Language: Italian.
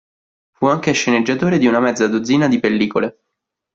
Fu anche sceneggiatore di una mezza dozzina di pellicole.